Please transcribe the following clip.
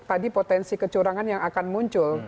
tadi potensi kecurangan yang akan muncul